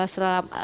terima kasih banyak